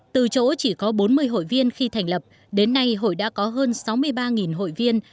từ chỗ chỉ có bốn mươi hội viên khi thành lập đến nay hội đã có hơn sáu mươi ba hội viên